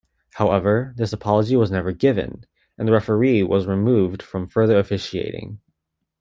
However, this apology was never given, and the referee was removed from further officiating.